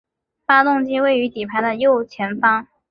发动机位于底盘的右前方。